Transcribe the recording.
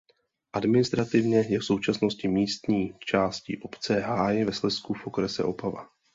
Administrativně je v současnosti místní částí obce Háj ve Slezsku v okrese Opava.